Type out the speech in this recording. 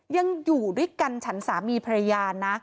ยังอยู่ด้วยกันฉันสามีภรรยานะ